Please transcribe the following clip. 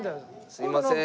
すいません。